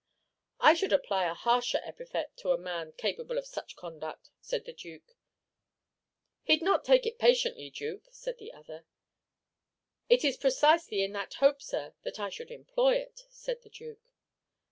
"I should apply a harsher epithet to a man capable of such conduct," said the Duke. "He 'd not take it patiently, Duke," said the other. "It is precisely in that hope, sir, that I should employ it," said the Duke.